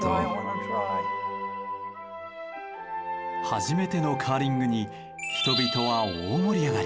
初めてのカーリングに人々は大盛り上がり。